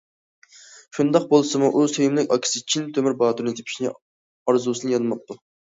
شۇنداق بولسىمۇ ئۇ سۆيۈملۈك ئاكىسى چىن تۆمۈر باتۇرنى تېپىش ئارزۇسىدىن يانماپتۇ.